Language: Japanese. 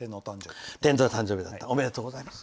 おめでとうございます。